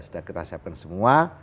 sudah kita siapkan semua